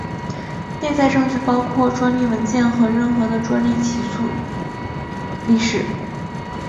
内在证据包括专利文件和任何的专利起诉历史。